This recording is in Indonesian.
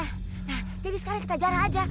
nah jadi sekarang kita jarang aja